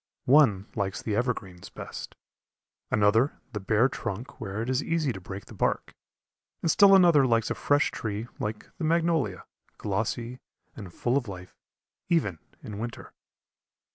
One likes the evergreens best, another the bare trunk where it is easy to break the bark, and still another likes a fresh tree like the magnolia, glossy and full of life even in winter.